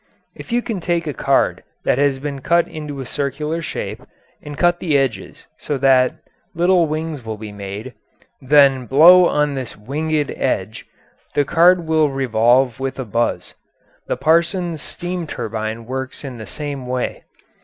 If you take a card that has been cut to a circular shape and cut the edges so that little wings will be made, then blow on this winged edge, the card will revolve with a buzz; the Parsons steam turbine works in the same way.